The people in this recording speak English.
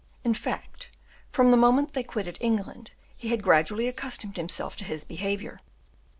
In fact, from the moment they quitted England, he had gradually accustomed himself to his behavior.